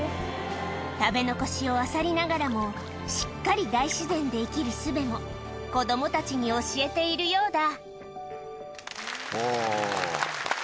食べ残しをあさりながらも、しっかり大自然で生きるすべも子どもたちに教えているようだ。